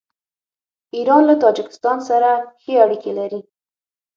ایران له تاجکستان سره ښې اړیکې لري.